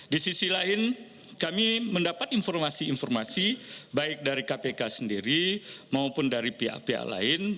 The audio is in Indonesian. di sisi lain kami mendapat informasi informasi baik dari kpk sendiri maupun dari pihak pihak lain